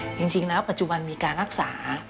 จริงแล้วปัจจุบันมีการรักษา